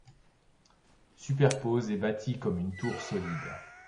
Superpose et bâtis comme une tour solide